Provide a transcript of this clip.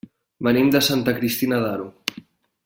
Venim de Santa Cristina d'Aro.